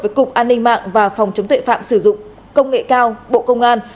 với cục an ninh mạng và phòng chống tuệ phạm sử dụng công nghệ cao bộ công an